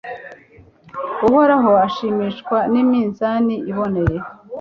Uhoraho ashimishwa n’iminzani iboneye